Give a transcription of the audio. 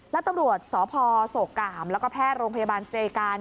และตำรวจสพโศกกามแล้วก็แพทย์โรงพยาบาลเซกา